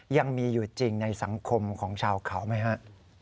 ยังมีอยู่จริงในสังคมของชาวเขาไหมฮะ